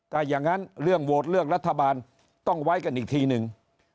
ถ้าอย่างนั้นเรื่องโหวตเลือกรัฐบาลต้องไว้กันอีกทีนึง